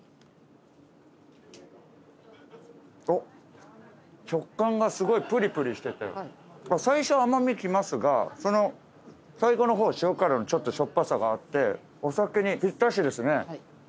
おっ食感がすごいぷりぷりしてて最初甘味きますがその最後の方塩辛のちょっとしょっぱさがあってお酒にぴったしですね。